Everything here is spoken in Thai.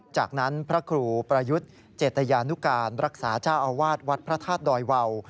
จากนั้นพระครูประยุทธ์เจตยานุการรักษาเจ้าอาวาสวัดพระธาตุดอยวาว